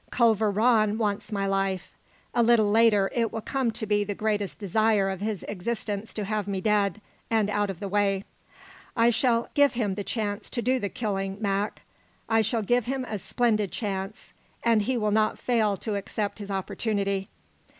Culver Rann wants my life; a little later it will come to be the greatest desire of his existence to have me dead and out of the way. I shall give him the chance to do the killing, Mac. I shall give him a splendid chance, and he will not fail to accept his opportunity.